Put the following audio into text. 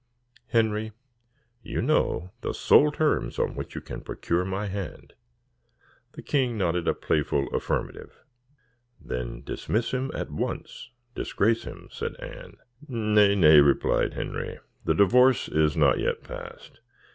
Henry, you know the sole terms on which you can procure my hand." The king nodded a playful affirmative. "Then dismiss him at once, disgrace him," said Anne. "Nay, nay," replied Henry, "the divorce is not yet passed.